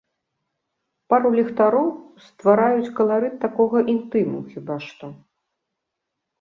Пару ліхтароў ствараюць каларыт такога інтыму, хіба што.